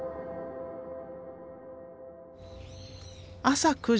朝９時。